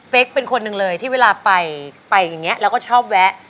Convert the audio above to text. เป็นคนหนึ่งเลยที่เวลาไปอย่างนี้แล้วก็ชอบแวะ